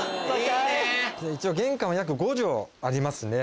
一応玄関は約５帖ありますね。